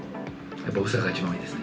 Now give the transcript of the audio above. やっぱり大阪が一番多いですね。